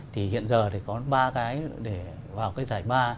thì hiện giờ thì có ba cái để vào cái giải ba